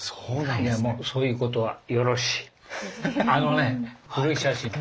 いやまあそういうことはよろし。